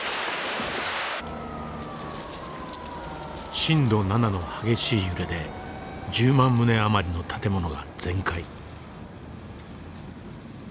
震度７の激しい揺れで１０万棟余りの建物が全壊。